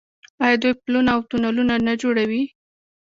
آیا دوی پلونه او تونلونه نه جوړوي؟